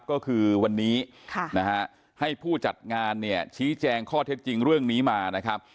ก็คือวันนี้ให้ผู้จัดงานเนี่ยชี้แจงข้อเท็จจริงเรื่องนี้มานะครับ